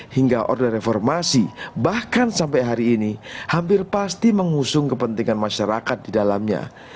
hingga order reformasi bahkan sampai hari ini hampir pasti mengusung kepentingan masyarakat di dalamnya